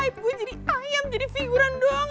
gue jadi ayam jadi figuran doang